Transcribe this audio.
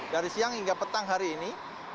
dari siang hingga petang hari ini